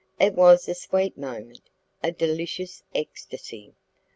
It was a sweet moment; a delicious ecstacy.